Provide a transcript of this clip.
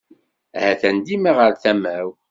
Atan dima ɣer tama-w.